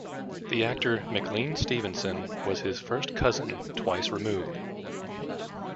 The actor McLean Stevenson was his first cousin twice removed.